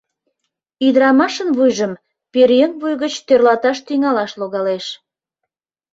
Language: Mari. Ӱдырамашын вуйжым пӧръеҥ вуй гыч тӧрлаташ тӱҥалаш логалеш.